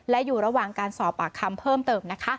และอยู่ระหว่างการสอบปากคำเพิ่มเติมนะคะ